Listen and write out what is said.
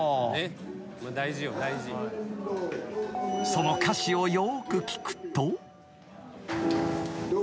［その歌詞をよく聴くと］